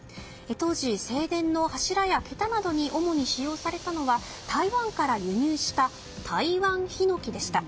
当時、正殿の柱や桁などに主に使用されたのは台湾から輸入したタイワンヒノキでした。